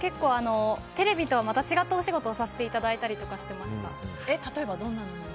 テレビとはまた違ったお仕事をさせていただいたり例えば、どんなのを？